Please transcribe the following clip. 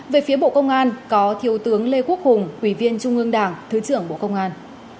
về phía bộ công an có thiếu tướng lê quốc hùng ủy viên trung ương đảng thứ trưởng bộ công an